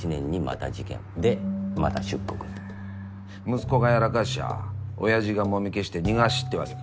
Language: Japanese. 息子がやらかしちゃおやじがもみ消して逃がしってわけか。